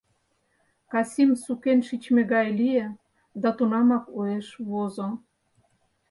Касим сукен шичме гай лие да тунамак уэш возо.